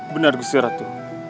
benar gusta ratu